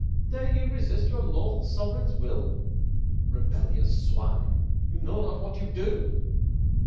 Dare you resist your lawful Sovereign's will? Rebellious Swine! you know not what you do!